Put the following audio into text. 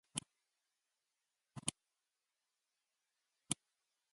大阪府